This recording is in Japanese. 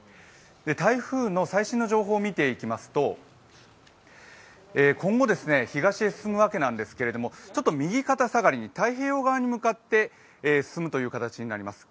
台風の最新の情報を見ていきますと、今後、東へ進むわけなんですけどちょっと右肩下がりに太平洋側に向かって進む形になります。